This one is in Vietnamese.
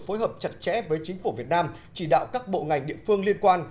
phối hợp chặt chẽ với chính phủ việt nam chỉ đạo các bộ ngành địa phương liên quan